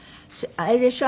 あれでしょ？